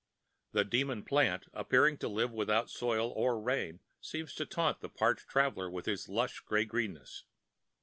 The demon plant, appearing to live without soil or rain, seems to taunt the parched traveller with its lush grey greenness.